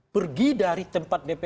pergi dari tempat dpr